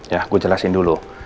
ya gue jelasin dulu